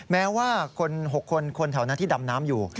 แม้ว่าคน๖คนคนแถวนั้นที่ดำน้ำอยู่